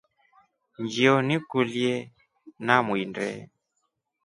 Njio nikuye nawinde.